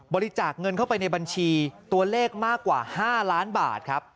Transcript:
บริจาคเงินเข้าไปในบัญชีตัวเลขมากกว่า๕ล้านบาทครับ